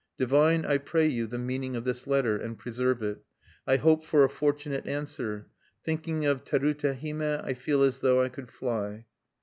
"Divine, I pray you, the meaning of this letter, and preserve it. I hope for a fortunate answer. Thinking of Terute Hime, I feel as though I could fly."